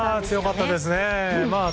強かったですね。